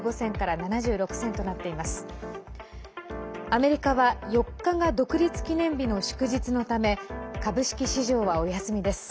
アメリカは４日が独立記念日の祝日のため株式市場はお休みです。